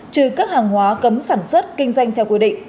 trừ các hàng hóa cấm sản xuất kinh doanh theo quy định